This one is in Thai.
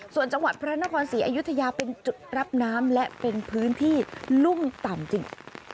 ส่วนจังหวัดพระนครศรีอยุธยาเป็นจุดรับน้ำและเป็นพื้นที่รุ่มต่ำจริง